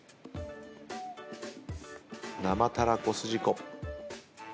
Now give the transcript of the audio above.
生たらこすじこ。